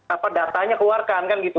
apa datanya keluarkan kan gitu